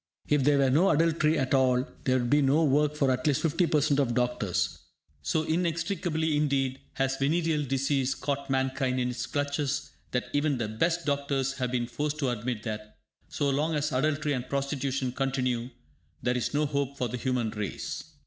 If there were no adultery at all, there would be no work for at least 50% of doctors. So inextricably indeed has venereal disease caught mankind in its clutches that even the best doctors have been forced to admit that, so long as adultery and prostitution continue, there is no hope for the human race.